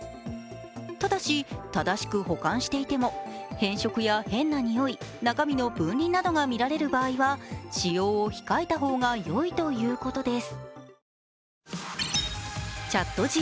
ただし、正しく保管していても変色や変なにおい、中身の分離などが見られる場合は使用を控えた方がよいとのことです。